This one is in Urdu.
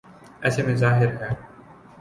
ایسے میں ظاہر ہے۔